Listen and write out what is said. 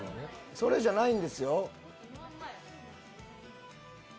それじゃないんですよ。